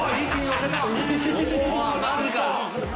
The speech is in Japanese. マジか！